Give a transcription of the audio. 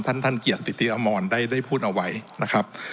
ท่านเกลียดสิทธิอมรได้พูดเอาไว้นะครับ